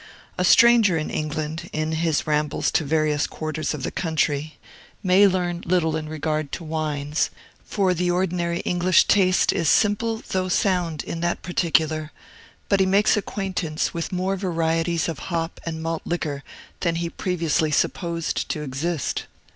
A stranger in England, in his rambles to various quarters of the country, may learn little in regard to wines (for the ordinary English taste is simple, though sound, in that particular), but he makes acquaintance with more varieties of hop and malt liquor than he previously supposed to exist.